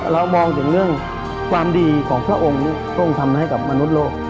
เรามองถึงเรื่องความดีของพระองค์นี้พระองค์ทำให้กับมนุษย์โลก